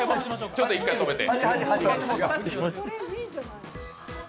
ちょっと１回止めて。